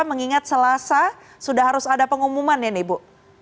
mengingat selasa sudah harus ada pengumuman ya ibu